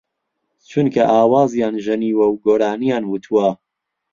چونکە ئاوازیان ژەنیوە و گۆرانییان وتووە